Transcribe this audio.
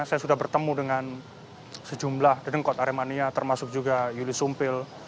saya sudah bertemu dengan sejumlah dedengkot aremania termasuk juga yuli sumpil